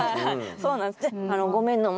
そうなんです。